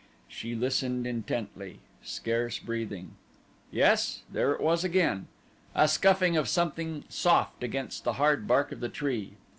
She listened intently scarce breathing. Yes, there it was again. A scuffing of something soft against the hard bark of the tree.